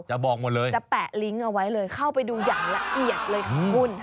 บอกหมดเลยจะแปะลิงก์เอาไว้เลยเข้าไปดูอย่างละเอียดเลยค่ะคุณ